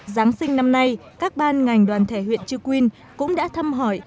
giáng sinh năm nay các ban ngành đoàn thể huyện chư quyên cũng đã thăm hỏi